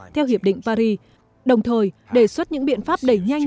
theo hiệp định paris đồng thời đề xuất những biện pháp đẩy nhanh